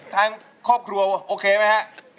ทางครอบครัวโอเคมั้ยครับ